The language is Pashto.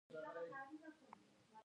مصنوعي ځیرکتیا د فکري تولید سرعت لوړوي.